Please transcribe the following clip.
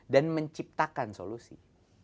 dan menciptakan solusi